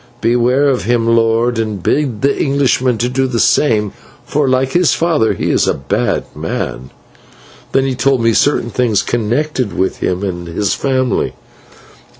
Beware of him, lord, and bid the Englishman to do the same, for, like his father, he is a bad man " and he told me certain things connected with him and his family.